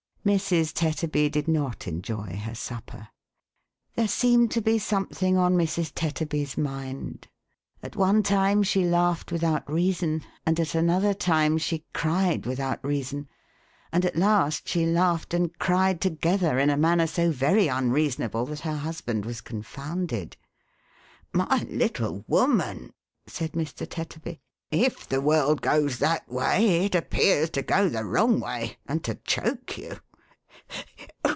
Mrs. Tetterby did not enjoy her supper. There seemed to be something on Mrs. Tetterby 's mind. At one time she laughed without reason, and at another time she cried without reason, and at last she laughed and cried together in a manner so very unreasonable that her husband was confounded. "My little woman," said Mr. Tetterby, "if the world goes that way, it appears to go the wrong way, and to choke you.